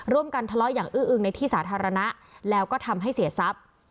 ทะเลาะอย่างอื้ออึงในที่สาธารณะแล้วก็ทำให้เสียทรัพย์